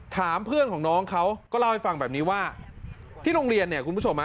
ถามเพื่อนของน้องเขาก็เล่าให้ฟังแบบนี้ว่าที่โรงเรียนเนี่ยคุณผู้ชม